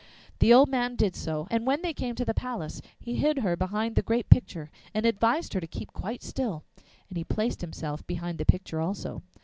The old man did so, and when they came to the palace he hid her behind the great picture and advised her to keep quite still, and he placed himself behind the picture also.